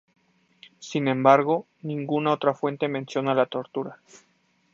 Sin embargo, ninguna otra fuente menciona la tortura.